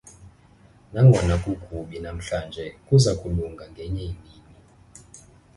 Nangona kukubi namhlanje kuza kulunga ngenye imini.